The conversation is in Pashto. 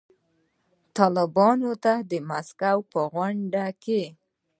طالبانو ته د مسکو په غونډه کې